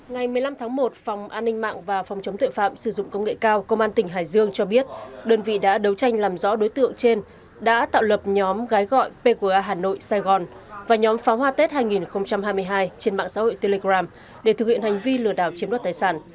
ngày một mươi năm tháng một phòng an ninh mạng và phòng chống tuệ phạm sử dụng công nghệ cao công an tỉnh hải dương cho biết đơn vị đã đấu tranh làm rõ đối tượng trên đã tạo lập nhóm gái gọi pqa hà nội sài gòn và nhóm pháo hoa tết hai nghìn hai mươi hai trên mạng xã hội telegram để thực hiện hành vi lừa đảo chiếm đoạt tài sản